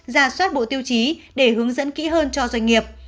ra soát bộ tiêu chí để hướng dẫn kỹ hơn cho doanh nghiệp